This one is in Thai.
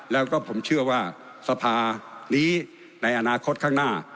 แล้วก็ผมเชื่อว่าสภานี้ในอนาคตข้างหน้า